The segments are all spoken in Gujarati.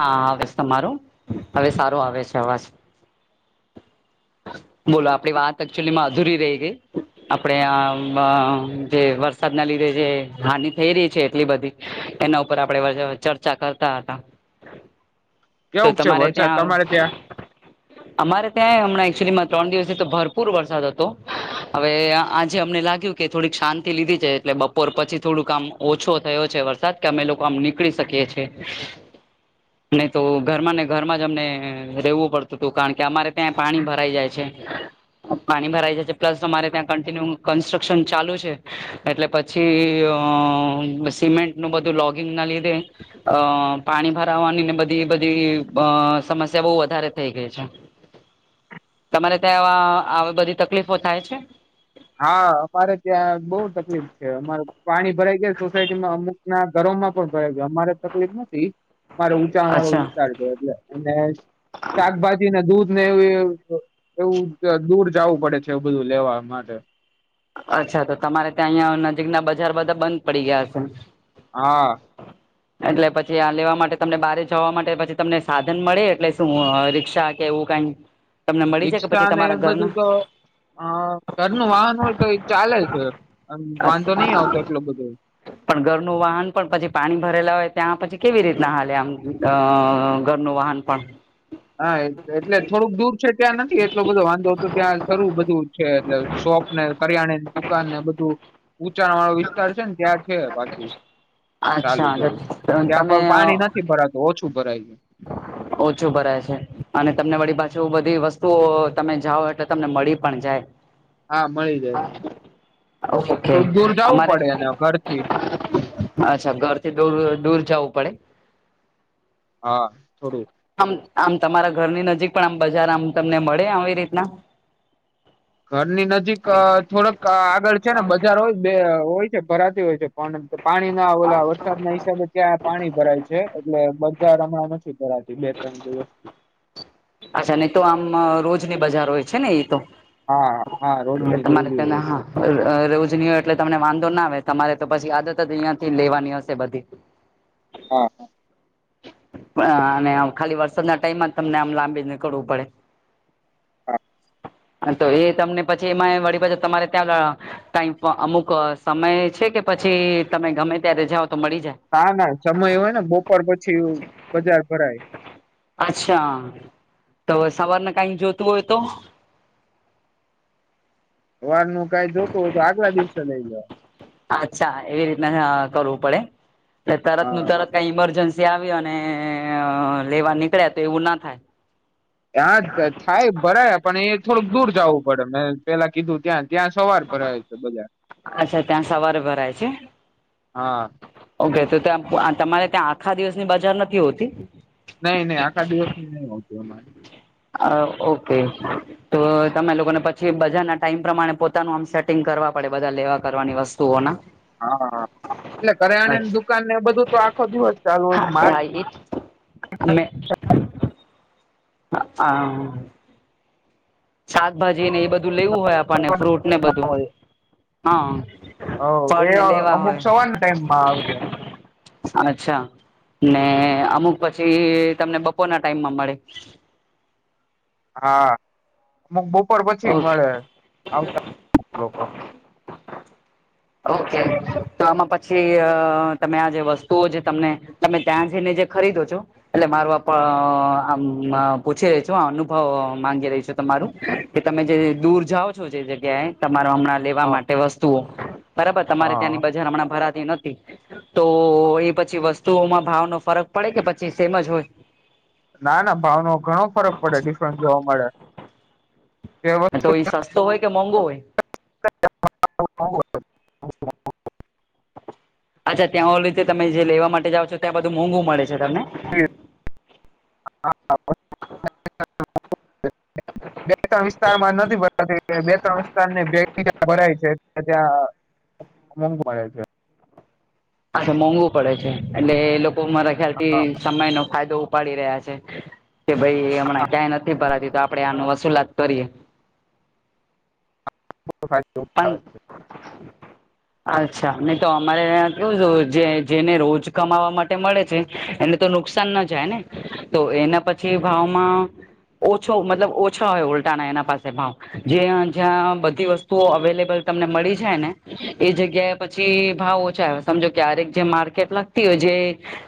હા આવે તમારું હવે સારું આવે છે અવાજ. બોલો આપડી વાત એકચુલીધુરી રહી ગઈ. આપડે આ જે વરસાદ ના લીધે જે હાનિ થઈ રહી છે એટલી બધી. એના ઉપર આપડે ચર્ચા કરતા હતા તો કેવુંક છે તમારે વરસાદ ત્યાં આવ, તમારે ત્યાં? અમારે ત્યાં હમણાં એકચુલીમાં ત્રણ દિવસે તો ભરપૂર વરસાદ હતો. હવે આજે અમને લાગ્યું કે થોડીક શાંતિ લીધી છે એટલે બપોર પછી થોડુંક કામ ઓછો થયો છે વરસાદ કે અમે લોકો આમ નીકળી શકીએ છીએ નહી તો ઘરમાં ને ઘરમાં જ અમને રહેવું પડતું હતું કારણ કે અમારે ત્યાં પાણી ભરાઈ જાય છે. પાણી ભરાઈ જાય છે પ્લસ તમારે ત્યાં કન્ટિન્યુ કન્સ્ટ્રક્શન ચાલુ છે એટલે પછી પછી સિમેન્ટ નું બધું લોગિંગ ના લીધે અ પાણી ભ ની બધી બધી અ સમસ્યા બહ વધારે થઈ ગઈ છે. તમારે ત્યાં આવી બધી તકલીફો થાય છે. હા અમારે ત્યાં બઉુ તકલીફ છે અમારે પાણી ભરાઈ ગયા સોસાયટીમાં અમુક ના ઘરોમાં પણ ભયો ગ અમારે તકલીફ નથી મારે ંચાણ વાળો અચ્છા વિસ્તાર છે એટલે અને શાકભાજીને દૂધ ને એ એવું દૂર જવું પડે છે એવું બધું લેવા માટે અચ્છા તો તમારે ત્યાં અહં નજીક ના બજાર બધા બંધ પડી ગયા છે. હા હ એટલે પછી આ લેવા માટે તમને બારે જવા માટે પછી તમને સાધન મળે એટલે શું રી્ષા કે એવું કઈ [inaudible] જાય કે પછી રિક્ષા ને એ તમારા બધું તો ઘરના અ ઘર ન વાહન હોય તો એ ચાલે છે વાંધો નઈ આવતો એટલો બધો પણ ઘરનું વાહન પણ પછી પાણી ભરેલા હોય ત્યાં પછી કેવી રીતના હાલે આમ ઘરનું વાહન પણ હા એટલે થોડુંક દૂર છે ત્યાં નથી એટલો બધો વાંધો તો ત્યાં શારું બધું છે એટલે શોપ કરિયાણાની દુકાન ને બધું ઊંચાણ વાળો વિસ્તાર છે ને ત્યાં છે પાછું ચાલું અચ્છા બોલું ત્યાં તમે પણ પાણી નથી ભરાતું ઓછું ભરાય [inaudible] ઓછું ભરા છે અને તમને વળી પાછું એ બધી વસ્તુઓ તમે જાઓ એટલે તમને મળી પણ જાય. [inaudible] હા મળી જાય છે ઓકે થોડુંક દૂર જવું અમારે પડે ને ઘર થી અચ્છા ઘરથી દૂર દૂર જવું પડે હા થોડું, આમ આમ તમારા ઘરની નજીક પણ આમ બજાર આમ તમને મળે આવી રીતના ઘરની નજીક થોડક આગળ છે ને બજાર હોય બે હોય છે ભરાતી હોય છે. પણ પાણી ના આવેલા વરસાદ ના હિસાબે ત્યાં પાણી ભરાય છે. છે એટલે બજાર હમણાં નથી ભરાતી બે ત્રણ દ વસ્તુ અચ્છા નહી તો આમ રોજની બજાર હોય છે ને એ તો હા હા રોજની દેવી તમારે તેને હોય. હા રોજની હોય એટલે તમને વાંધો ના આવે તમારે તો પછી આદત જ અહિયાં થી લેવાની હશે બધી હા હા અને ખાલી વરસાદ ના ટાઈમમાં જ તમને આમ લાંબી જ નીકળવું પડે તો એ તમને પછી એમાં વળી પાછ તમારે ત્યાં લ ટાઈમ અમુક સમય છે કે પછી તમે ગમે ત્યારે જાઓ તો મળી જાય નાા ના સમય એ હોય ને બપોર પછી બજાર ભરાય અચ્છા તો સવારને કઈ જોતું હોય તો વાર નું કાઈ જોતું હોય તો આગલા દિવસે લઈ જવા અચ્છા એવી રીતના કરવું પડે તરત નું હા તરત કઈ ઇમરજન્સી આવ અને લેવા નીકળ્યા તો એવું ના થાય. ત્યાં જ થાય ભરાયા પણ એ થોડુંક દૂર જવું પડે મેં પેલા કીધું ત્યાં જ ત્યાં સવાર પર આવે છે બધા અચ્છા ત્યાં સવારે ભરાય છે હા ઓકે તો ત્યાં તમારે ત્યાં આખા દિવસની બજાર નથી હોતી. નહી નહી આખા દિવસની નહી હોતું અમારી હ ઓકે તો તમે લોકોને પછી બજારના ટાઈમ પ્રમાણે પોતાનું આમ સેટિંગ કરવા પડે બધા લેવા કરવાની વસ્તુ તોના હા હા એટલે કર્યાણેને દુકાનને બધું તો આખો દિવસ ચાલુય મા [unintelligible] અને [unintelligible] શાકભાજીને એ બધું લેવું હોય આપણને ફ્રૂટને બધું હા હ એ ફળ ને લેવા અમુક હોય સવાર ટાઈમમાં આવે છે. અચ્છા ને અમુક પછી તમને બપોરના ટાઈમમાં મળે. હા અમુક બો બપોર પછી ઓકે મળે આવતા લોકો ઓકે તો આમાં પછી તમે આ જે વસ્તુઓ જે તમને તમે ત્યાં જઈને જે ખરીદો છો એટલે મારુ પણ આ પૂછે [unintelligible] અનુભવ માંગી રહી છું તમારું કે તમે જે દૂર જાઓ છો જે જગ્યાએ તમારો હમણાં લેવા હા માટે વસ્તુઓ બરાબર તમારે ત્યાંની હા બજાર હમણાં ભરાતી નથી. તો એ પછી વસ્તુઓમાં ભાવનો ફરક પડે કે પછી સેમ જ હોય. ના ના ભાવનો ઘણો ફરક પડે ડિફરન્સ જોવા મળે તો એ સસ્તો હોય કે મોંઘો હોય [inaudible] અચ્છા ત્યાં [unintelligible] તમે જે લેવા માટે જાઓ છો ત્યાં બધું મોંઘું મળે છે તમને. [unintelligible] વિસ્તારમાં નથી બે ત્રણ વિસ્તારની [unintelligible] ભરાય છે ત્યાં મોંઘૂ મળે છે. અને મોંઘવું પડે છે એટલે એ લોકો મારા ખ્યાલથી હા, સમય નો ફાયદો ઊપાડી રહ્યા છે કે ભાઈ હમણાં ક્યાંય નથી ભરાતી તો આપડે આનું વસુલાત કરીએ ફાયદો પણ ઉઠાવે છે. [inaudible] અચ્છા ને તો અમારે કેવું છે જે જેને રોજ કમાવા માટે મળે છે. એને તો નુકસાન ન જાય ને તો એના પછી ભાવમાં ઓછો મતલબ ઓછા હોય ઉલટાના એના પાસે ભાવ જ્યાં જ્યાં બધી વસ્તુ અવેલેબલ તમને મળી જાય ને એ જગ્યાએ પછી ભાવ ઓછા આવે સમજો રિતે માર્કેટ લાગતી હોય છે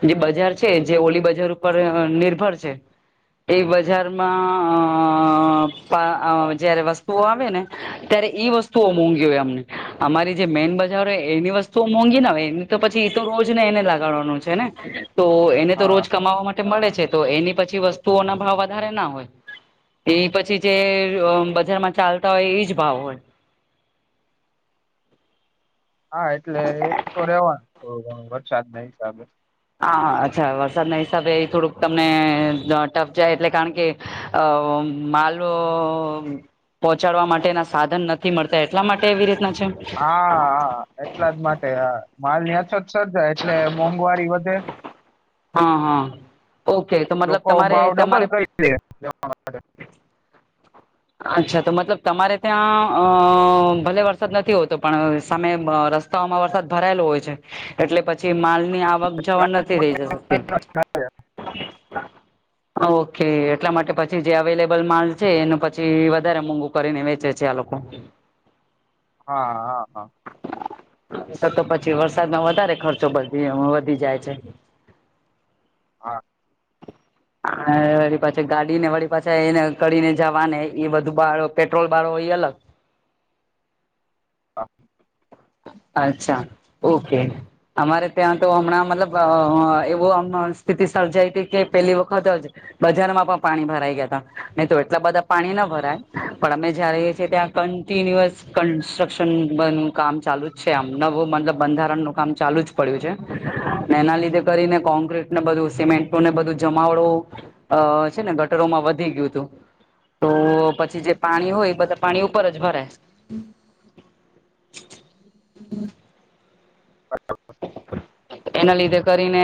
જે બજાર છે જે ઓલી બજાર ઉપર નિર્ભર છે. એ હા, બજારમાં અ જયારે વસ્તુઓ આવે ને ત્યારે ઈ વસ્તુઓ મોંઘી હોય અમને અમારી જે મેઈન બજાર હોય એની વસ્તુઓ મોંઘી ના હોય એ તો પછી એ તો રોજને એને લગાડવાનું છે ને તો એને તો હા રોજ કમાવા માટે મળે છે તો એની પછી વસ્તુઓ ના ભાવ વધારે ના હોય. એ પછી જે બજારમાં ચાલતા હોય એજ ભાવ હોય. હા એટલે એ તો રેવાનું વરસાદના હિસાબે. હા અચ્છા વરસાદના હિસાબે થોડુંક તમને ટફ જાય એટલે કારણ કે અ માલો પહોંચાડવા માટેના સાધન નથી મળતા એટલા માટે એવી રીતના છે હા હા એટલા જ માટે હા માલની અછત સર્જાય એટલે મોંઘવારી વધે હા હા ઓકે તો મતલબ લોકો તમારે ભાવ તમારે [unintelligible] અચ્છા તો મતલબ તમારે ત્યાં અ ભલે વરસાદ નથી હોતો પણ સામે રસ્ તો આમાં વરસાદ ભરાયેલો હોય છે. એટલે પછી માલ ની આવક જવન નથી થઈ શકતી. ઓકે એટલા માટે પછી જે અવેલેબલ માલ છે એનું પ પછી વધારે મોંઘુ કરીને વેચે છે. આ લોકો હા હા હા તો પછી વરસાદમાં વધારે ખર્ચો વધી જાય છે. [inaudible] હા વાળ પાછ ગાડી ને વાળી પાછા એને કરીને જવાને એ બધું બાળો પેટ્રોલ બાળો એ અલગ હા અચ્છા ઓકે! અમારે ત્યાં તો હમણાં મતલબ એવુંમ સ્થિતિ સર્જાઈ હતી કે પેલી વખત જ બજારમાં પણ પાણી ભરાઈ ગયા હતા નહી તો એટલા બધા પાણી ના ભરાય પણ અમે જ્યાં રહીએ છીએ ત્યાં કન્ટિન્યુઅસ કન્સ્ટ્રક્શન બન કામ ચાલુ જ છે આમ નવું મતલબ બંધારણનુ કામ ચાલુ જ પડ્યું છે એના લીધે કરીને કોક્રીટ ને બધું સિમેન્ટુંને બધું જમાવડું અ છે ને ગટરોમાં વધી ગયું હતું. તો પછી જે પાણી હોય બધા પાણી ઉપર જ ભરાય હમ એના લીધે કરીને